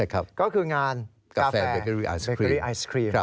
ก็คืองานกาแฟรีไอศครีม